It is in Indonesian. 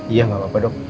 iya gak apa apa dok